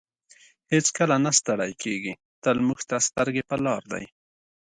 هېڅکله نه ستړی کیږي تل موږ ته سترګې په لار دی.